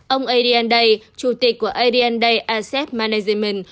ông adrian day chủ tịch của adrian day asset management